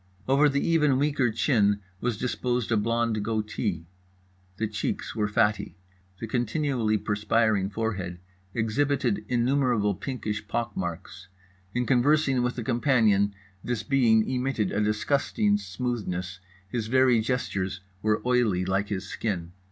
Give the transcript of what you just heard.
Over the even weaker chin was disposed a blond goatee. The cheeks were fatty. The continually perspiring forehead exhibited innumerable pinkish pock marks. In conversing with a companion this being emitted a disgusting smoothness, his very gestures were oily like his skin.